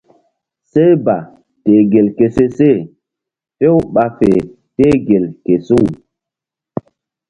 Seh ba teh gel ke se she few ɓa fe teh gel ke suŋ.